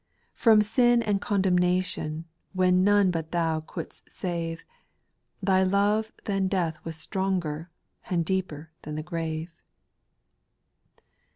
From sin and condemnation When none but Thou could'st save, Thy love thin death was stronger. And deeper than the grave.